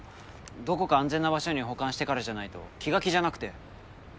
どこか安全な場所に保管してからじゃないと気が気じゃなくて。